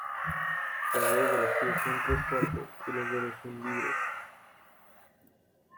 Los dedos de los pies son tres cuartos y los dedos son libres.